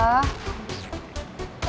udah gak percaya gue